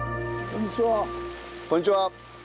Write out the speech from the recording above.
こんにちは。